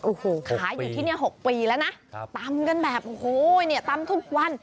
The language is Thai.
โอ้โหขายอยู่ที่นี่๖ปีแล้วนะตำกันแบบโอ้โหเนี่ยตำทุกวัน